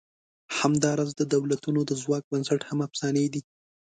همدا راز د دولتونو د ځواک بنسټ هم افسانې دي.